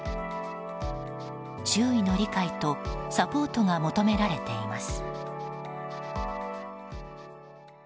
周囲の理解とサポートが求められています。